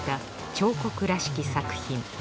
彫刻らしき作品。